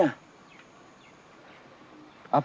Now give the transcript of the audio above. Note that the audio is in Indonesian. apa kata ibumu tentang hal ini